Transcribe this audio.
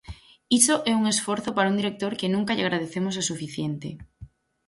Iso é un esforzo para un director que nunca lle agradeceremos o suficiente.